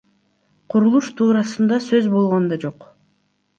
Курулуш туурасында сөз болгон да жок.